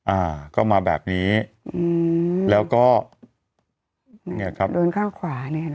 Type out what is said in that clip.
อ่าก็มาแบบนี้อืมแล้วก็เนี่ยครับโดนข้างขวาเนี่ยนะ